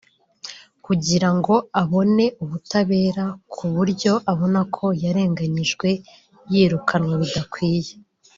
kugira ngo abone ubutabera ku byo abona ko yarenganyijwemo yirukanwa bidakwiye